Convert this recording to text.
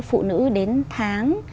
phụ nữ đến tháng